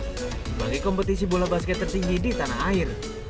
sebagai kompetisi bola basket tertinggi di tanah air